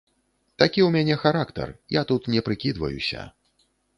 Такі ў мяне характар, я тут не прыкідваюся.